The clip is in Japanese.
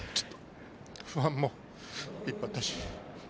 不安もいっぱいあったし。